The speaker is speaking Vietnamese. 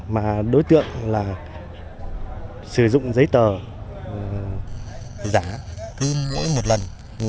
mà đối tượng là sử dụng giấy tờ giả cứ mỗi một lần